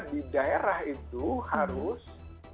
di daerah itu harus